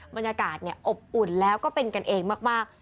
บรรยากาศอบอุ่นแล้วก็เป็นกันเองมาก